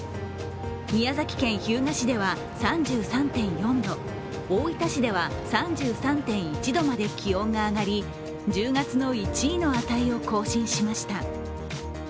宮崎県日向市では３３．４度、大分市では３３．１度まで気温が上がり１０月の１位の値を更新しました。